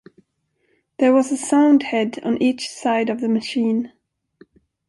There was a sound head on each side of the machine.